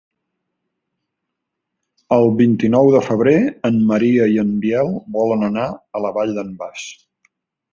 El vint-i-nou de febrer en Maria i en Biel volen anar a la Vall d'en Bas.